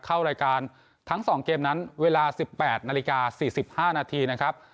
เข้ารายการทั้ง๒เกมนั้นเวลา๑๘นาฬิกา๔๕นาทีนะครับ